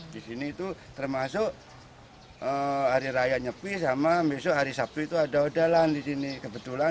di sini itu termasuk hari raya nyepi sama besok hari sabtu itu ada odalan di sini kebetulan